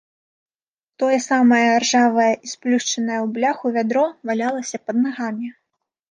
Тое самае ржавае і сплюшчанае ў бляху вядро валялася пад нагамі.